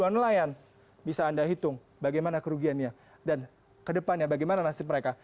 satu ratus enam puluh dua nelayan bisa anda hitung bagaimana kerugiannya dan ke depannya bagaimana nasib mereka